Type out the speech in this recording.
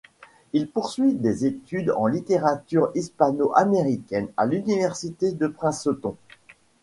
Il poursuit des études en littérature hispano-américaine à l'université de Princeton.